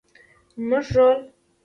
زموږ رول